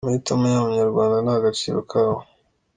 amahitamo y’Abanyarwanda ni agaciro kabo.